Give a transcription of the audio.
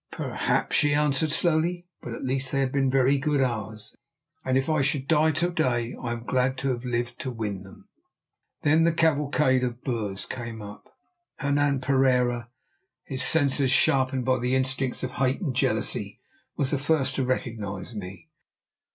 "Perhaps," she answered slowly; "but at least they have been very good hours, and if I should die to day I am glad to have lived to win them." Then the cavalcade of Boers came up. Hernan Pereira, his senses sharpened perhaps by the instincts of hate and jealousy, was the first to recognise me.